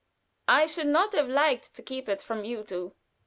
I should not have liked to keep it from you two.